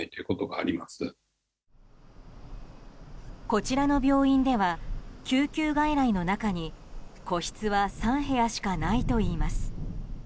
こちらの病院では救急外来の中に個室は３部屋しかないといいます。